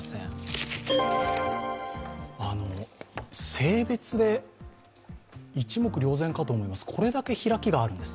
性別で一目瞭然かと思います、これだけ開きがあるんです。